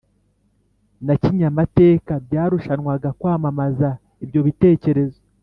na Kinyamateka byarushanwaga kwamamaza ibyo bitekerezo